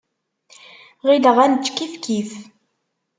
Ɣileɣ ad nečč kifkif.